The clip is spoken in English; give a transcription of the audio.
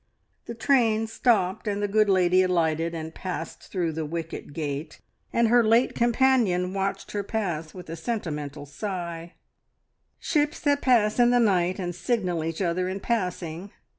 The train stopped, and the good lady alighted and passed through the wicket gate, and her late companion watched her pass with a sentimental sigh. "`Ships that pass in the night, and signal each other in passing.'